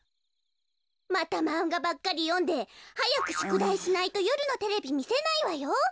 またまんがばっかりよんではやくしゅくだいしないとよるのテレビみせないわよ。